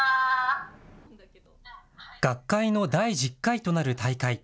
学会の第１０回となる大会。